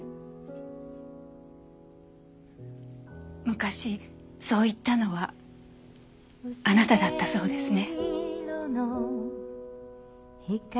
昔そう言ったのはあなただったそうですね。